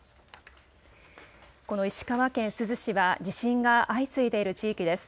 この石川県珠洲市は地震が相次いでいる地域です。